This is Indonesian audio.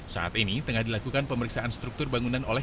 saat ini tengah dilakukan pemeriksaan struktur bangunan oleh